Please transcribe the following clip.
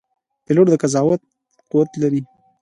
پیلوټ د قضاوت قوت لري.